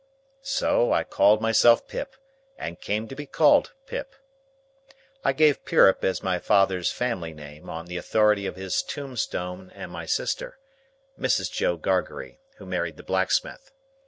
So, I called myself Pip, and came to be called Pip. I give Pirrip as my father's family name, on the authority of his tombstone and my sister,—Mrs. Joe Gargery, who married the blacksmith.